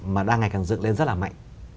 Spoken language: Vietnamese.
mà đang ngày càng dựng lên rất là mạnh